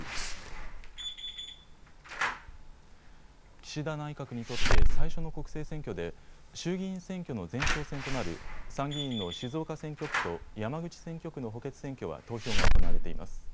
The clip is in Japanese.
岸田内閣にとって最初の国政選挙で衆議院選挙の前哨戦となる参議院の静岡選挙区と山口選挙区の補欠選挙は投票が行われています。